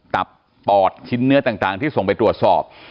ตับปอดชิ้นเนื้อต่างที่ส่งไปตรวจสอบ